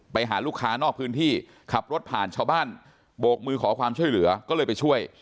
ไปหาลูกค้านอกพื้นที่ขับรถผ่านชาวบ้านโบกมือขอความช่วยเหลือก็เลยไปช่วย